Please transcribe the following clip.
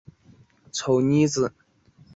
丑妮子。